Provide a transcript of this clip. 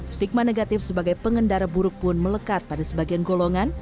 stigma negatif sebagai pengendara buruk pun melekat pada sebagian golongan